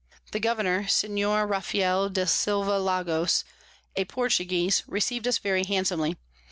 The Governour Signior Raphael de Silva Lagos, a Portuguese, receiv'd us very handsomly.